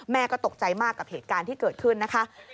แม่ก็ตกใจมากกับเหตุการณ์ที่เกิดขึ้นนะคะ